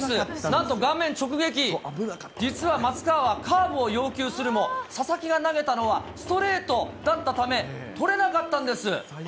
なんと直撃、実は松川はカーブを要求するも、佐々木が投げたのはストレートだったため、捕れなかったんです。